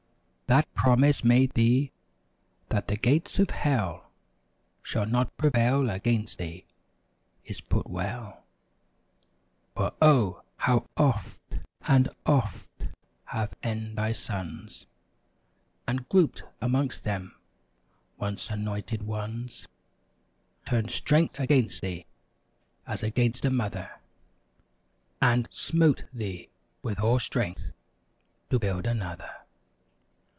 That Promise made thee—"That the gates of Hell Shall not prevail against thee!" is put well; For Oh, how oft and oft have e'en thy sons. And grouped amongst them, once anointed ones. Turned straight against thee, as against a mother. And smote thee with all strength—to build another.